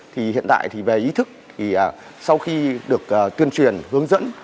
thì hiện tại về ý thức sau khi được tuyên truyền hướng dẫn